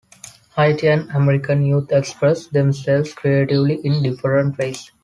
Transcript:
Haitian-American youth express themselves creatively in different ways.